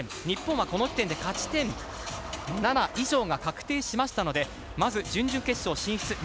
日本はこの時点で勝ち点７以上が確定しましたのでまず、準々決勝進出